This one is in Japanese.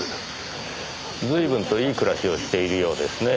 随分といい暮らしをしているようですねぇ。